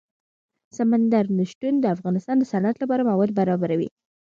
سمندر نه شتون د افغانستان د صنعت لپاره مواد برابروي.